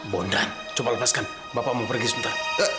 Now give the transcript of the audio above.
bondan coba lepaskan bapak mau pergi sebentar